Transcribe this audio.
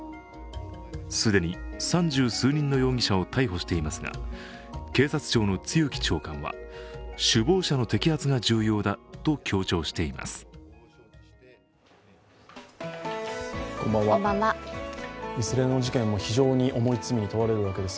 既に三十数人の容疑者を逮捕していますが警察庁の露木長官は首謀者の摘発が重要だと強調しています。